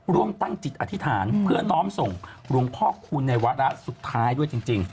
ร่วมตั้งจิตอธิษฐานเพื่อน้องส่งหลวงพ่อคูณในวาระสุดท้ายด้วยจริง